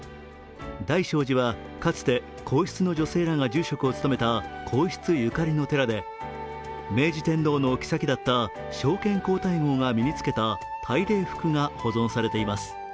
大聖寺はかつて皇室の女性らが住職を務めた皇室ゆかりの寺で、明治天皇の后だった昭憲皇太后が身に着けた大礼服が保存されています。